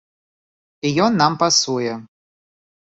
І ён нам пасуе.